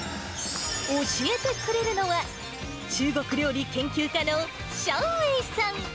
教えてくれるのは、中国料理研究家のシャウ・ウェイさん。